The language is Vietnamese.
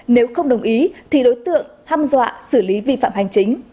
nếu không đồng ý thì đối tượng ham dọa xử lý vi phạm hành chính